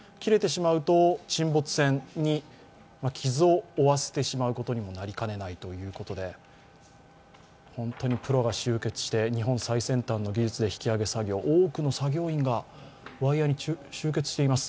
すると沈没船に傷を負わせてしまうことにもなりかねないということで本当にプロが集結して日本最先端の技術で引き揚げ作業、多くの作業員がワイヤーに集結しています。